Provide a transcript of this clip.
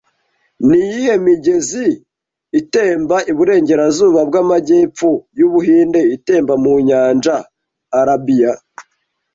Niyihe migezi itemba iburengerazuba bwamajyepfo yu Buhinde itemba mu nyanja ya Arabiya